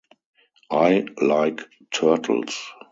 I like turtles.